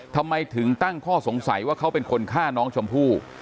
ทำไมถึงตั้งข้อสงสัยว่าเขาเป็นคนฆ่าน้องชมพู่